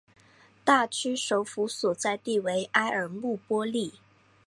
大区首府所在地为埃尔穆波利。